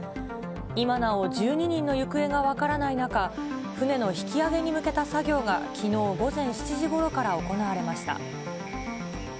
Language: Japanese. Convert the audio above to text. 今なお１２人の行方が分からない中、船の引き揚げに向けた作業が、きのう午前７時ごろから行われました。